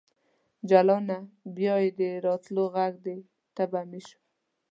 جلانه ! بیا یې د راتللو غږ دی تبه مې شوه